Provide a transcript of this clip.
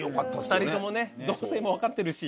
２人ともねどうせ分かってるし。